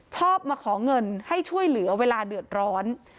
ชอบมาขอเงินให้ช่วยเหลือเวลาเดือดร้อน